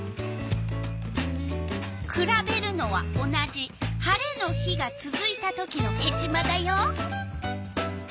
くらべるのは同じ晴れの日がつづいたときのヘチマだよ。